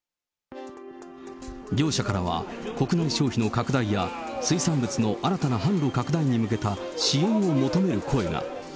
漁師からは国内消費の拡大や、水産物の新たな販路拡大に向けた支援を求める声が。